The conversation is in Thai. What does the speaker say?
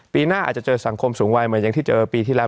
ปีหน้าอาจจะเจอสังคมสูงวัยเหมือนอย่างที่เจอปีที่แล้ว